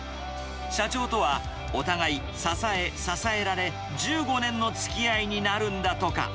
社長とはお互い支え支えられ、１５年のつきあいになるんだとか。